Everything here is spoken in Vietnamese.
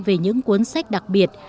về những cuốn sách đặc biệt